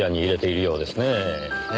ええ。